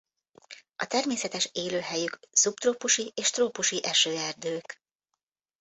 A természetes élőhelyük szubtrópusi és trópusi esőerdők.